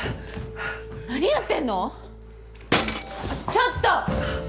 ちょっと！